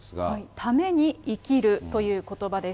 ために生きるということばです。